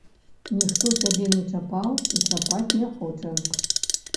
Ніхто цябе не чапаў і чапаць не хоча.